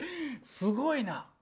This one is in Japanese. すごいな。